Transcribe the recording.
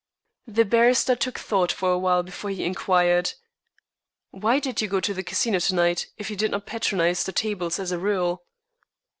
The barrister took thought for a while before he inquired: "Why did you go to the Casino to night, if you did not patronize the tables as a rule?"